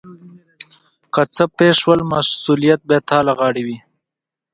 که څه پیښ شول مسؤلیت به تا له غاړې وي.